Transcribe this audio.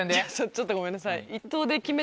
ちょっとごめんなさい。